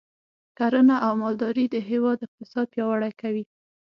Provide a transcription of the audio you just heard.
کرنه او مالداري د هیواد اقتصاد پیاوړی کوي.